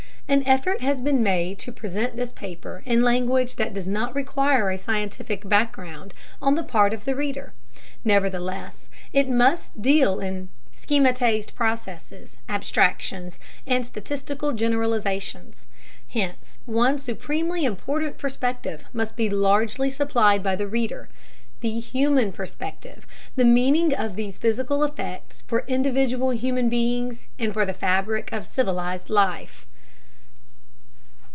An effort has been made to present this paper in language that does not require a scientific background on the part of the reader. Nevertheless it must deal in schematized processes, abstractions, and statistical generalizations. Hence one supremely important perspective must be largely supplied by the reader: the human perspective the meaning of these physical effects for individual human beings and for the fabric of civilized life.